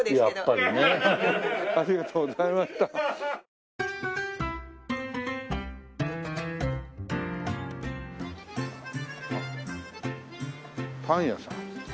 あっパン屋さん。